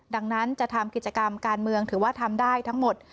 ดังนั้นจะทำกิจกรรมการเมืองถือว่าทำได้ทั้งหมด